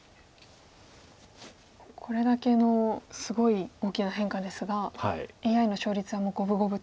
これだけのすごい大きな変化ですがＡＩの勝率はもう五分五分と。